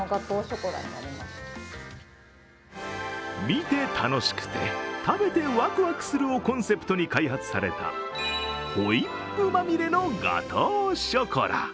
「見て楽しくて、食べてワクワクする」をコンセプトに開発されたホイップまみれのガトーショコラ。